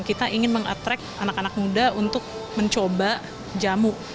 kita ingin meng attract anak anak muda untuk mencoba jamu